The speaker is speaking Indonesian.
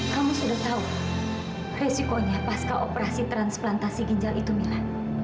kamu sudah tahu resikonya pasca operasi transplantasi ginjal itu mila